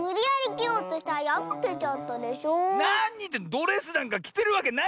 ドレスなんかきてるわけないじゃない！